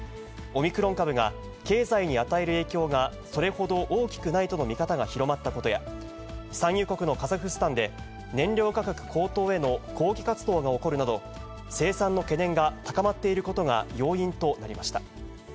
オミクロン株が経済に与える影響がそれほど大きくないとの見方が広まったことや、産油国のカザフスタンで、燃料価格高騰への抗議活動が起こるなど、生産の懸念が高まっていることが要因となりました。